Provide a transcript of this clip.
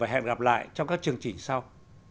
hẹn gặp lại trong các chương trình sau